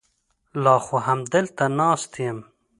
لا خو همدلته ناست یم.